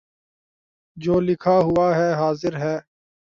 جو لکھا ہوا ہے حاضر ہے